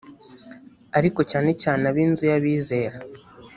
ariko cyane cyane ab inzu y abizera